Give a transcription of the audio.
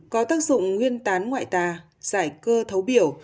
có tác dụng nguyên tán ngoại tà giải cơ thấu biểu